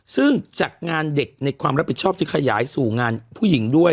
ซึ่งจากงานเด็กในความรับผิดชอบที่ขยายสู่งานผู้หญิงด้วย